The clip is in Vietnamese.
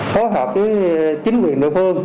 phối hợp với chính quyền địa phương